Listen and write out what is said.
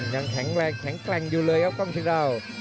ยังแข็งแรงแข็งแกร่งอยู่เลยครับกล้องสิดาว